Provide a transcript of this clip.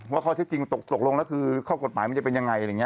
ว่าข้อเช็คจริงตกลงแล้วค่อกฝัลเป็นยังไง